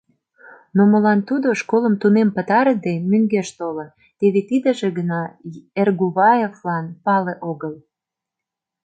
Но молан тудо, школым тунем пытарыде, мӧҥгеш толын, теве тидыже гына Эргуваевлан пале огыл...